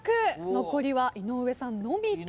残りは井上さんのみと。